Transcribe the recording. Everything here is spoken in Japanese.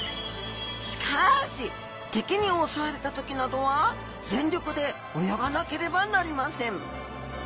しかし敵に襲われた時などは全力で泳がなければなりません。